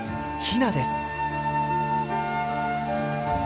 ヒナです。